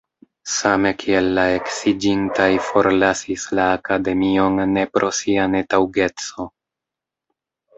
Same kiel la eksiĝintaj forlasis la akademion ne pro sia netaŭgeco.